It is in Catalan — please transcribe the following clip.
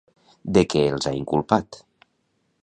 De què els ha inculpat?